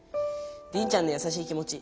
リンちゃんのやさしい気持ち